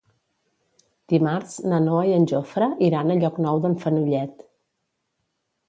Dimarts na Noa i en Jofre iran a Llocnou d'en Fenollet.